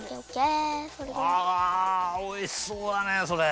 あおいしそうだねそれ。